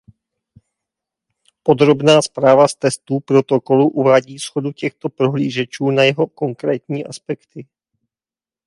Podrobná zpráva z testů protokolu uvádí shodu těchto prohlížečů na jeho konkrétní aspekty.